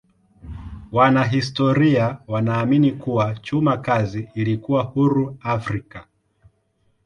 Wanahistoria wanaamini kuwa chuma kazi ilikuwa huru Afrika.